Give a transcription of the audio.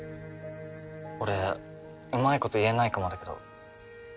俺上手いこと言えないかもだけど。